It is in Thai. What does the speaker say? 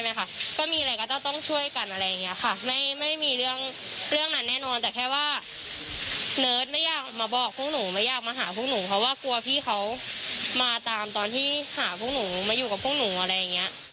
เพราะว่ากลัวพี่เขามาตามตอนที่หาพวกหนูมาอยู่กับพวกหนูอะไรอย่างนี้